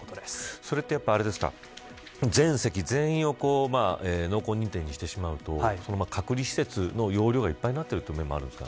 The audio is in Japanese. それって、全席全員を濃厚認定にしてしまうと隔離施設の容量がいっぱいになっているという面もあるんですか。